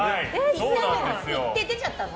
行って、出ちゃったの？